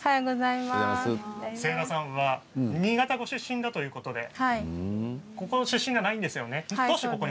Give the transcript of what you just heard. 清田さんは新潟のご出身だということでここの出身ではないんですよね。